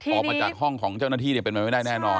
ออกมาจากห้องของเจ้าหน้าที่เป็นไปไม่ได้แน่นอน